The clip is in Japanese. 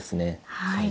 はい。